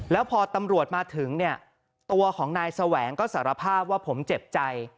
แล้วพอตำรวจมาถึงเนี่ยตัวของนายแสวงก็สารภาพว่าผมเจ็บใจ